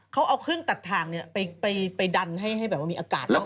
เขาเอาเครื่องตัดทางไปดันให้มีอากาศเข้าไป